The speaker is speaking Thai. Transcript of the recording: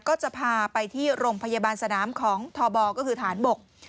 ก็จะพาไปที่โรงพยาบาลสนามของทบก็คือฐานบก